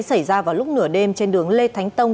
xảy ra vào lúc nửa đêm trên đường lê thánh tông